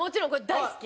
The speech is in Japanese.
大好き！